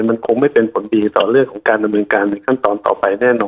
มันคงไม่เป็นผลดีต่อเรื่องของการดำเนินการในขั้นตอนต่อไปแน่นอน